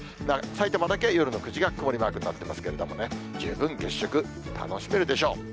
さいたまだけ夜の９時が曇りマークになってますけれどもね、十分月食、楽しめるでしょう。